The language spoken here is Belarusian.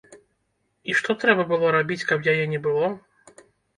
І што трэба было рабіць, каб яе не было?